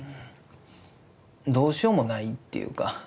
どうしようもないっていうか